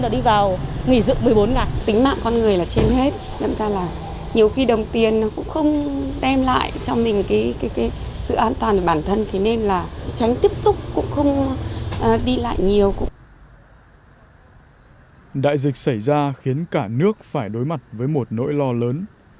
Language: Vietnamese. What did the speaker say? đại dịch xảy ra khiến cả nước phải đối mặt với một nỗi lo lớn